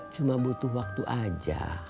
cuma butuh waktu aja